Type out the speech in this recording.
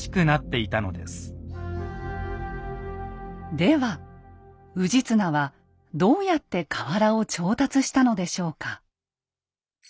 では氏綱はどうやって瓦を調達したのでしょうか。